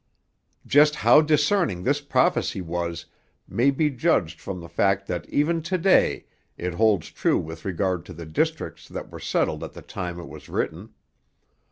Just how discerning this prophecy was may be judged from the fact that even to day it holds true with regard to the districts that were settled at the time it was written.